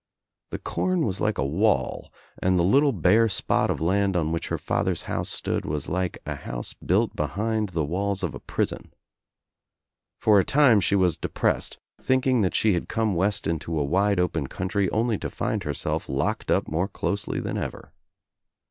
The corn was like a wall and the little 1 bare spot of land on which her father's house stood was like a house built behind the walls of a prison. For a time she was depressed, thinking that she had come west into a wide open country, only to find herself locked up more closely than ever.